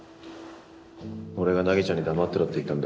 俺が凪ちゃんに黙ってろって言ったんだ。